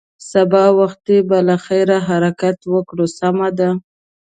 سبا وختي به له خیره حرکت وکړې، سمه ده.